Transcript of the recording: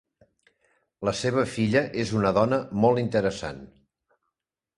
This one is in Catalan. La seva filla és una dona molt interessant.